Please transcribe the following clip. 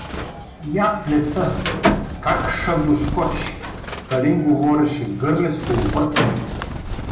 Я плета — как ша го скочи… Калин говореше гърлесто, объркано.